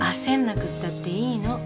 なくったっていいの。